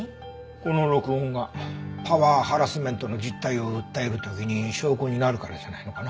この録音がパワーハラスメントの実態を訴える時に証拠になるからじゃないのかな？